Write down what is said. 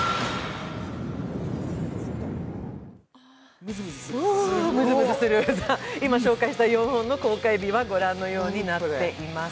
むずむずする、今紹介した４本の公開日はご覧のようになっています。